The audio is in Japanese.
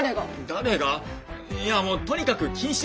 誰がいやもうとにかく禁止です！